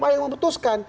biar ma yang memutuskan